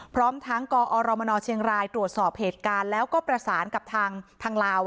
พร้อมทั้งกอรมนเชียงรายตรวจสอบเหตุการณ์แล้วก็ประสานกับทางลาว